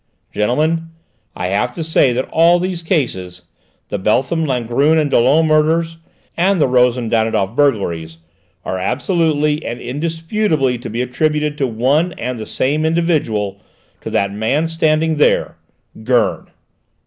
Gentlemen, I have to say that all these cases, the Beltham, Langrune and Dollon murders, and the Rosen Danidoff burglaries, are absolutely and indisputably to be attributed to one and the same individual, to that man standing there Gurn!"